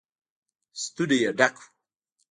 ستونی يې ډک و.